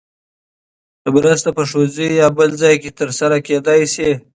مرسته په ښوونځي یا بل ځای کې ترسره کېدای شي.